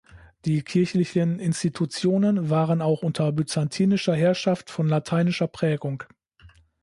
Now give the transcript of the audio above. Die kirchlichen Institutionen waren auch unter byzantinischer Herrschaft von lateinischer Prägung.